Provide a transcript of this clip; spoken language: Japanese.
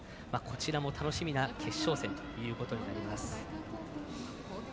こちらも楽しみな決勝戦ということになります。